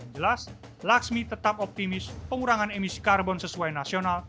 jelas laksmi tetap optimis pengurangan emisi karbon sesuai nasional